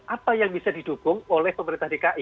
apa yang bisa didukung oleh pemerintah dki